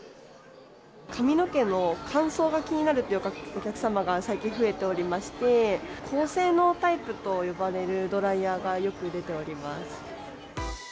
髪の毛の乾燥が気になるというお客様が最近増えておりまして、高性能タイプと呼ばれるドライヤーがよく出ております。